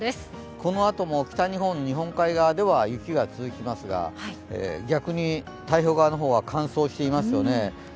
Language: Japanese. このあとも北日本、日本海側では雪が続きますが、逆に太平洋側の方は乾燥していますよね。